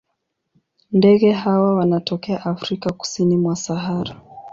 Ndege hawa wanatokea Afrika kusini mwa Sahara.